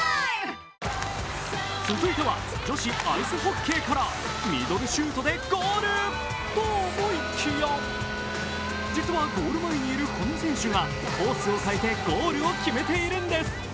続いては、女子アイスホッケーからミドルシュートでゴールと思いきや実はゴール前にいるこの選手がコースを変えてゴールを決めているんです。